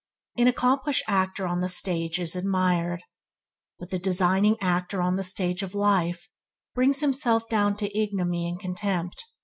An accomplished actor on the stage is admired, but the designing actor on the stage of life brings himself down to ignominy and contempt.